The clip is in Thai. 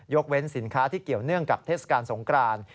เว้นสินค้าที่เกี่ยวเนื่องกับเทศกาลสงคราน